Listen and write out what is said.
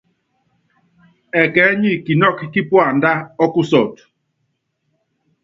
Ɛkɛɛ́ nyi kinɔ́kɔ́ kí puandá ɔ́kusɔtɔ.